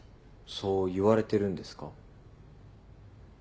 そう言われてるんですか？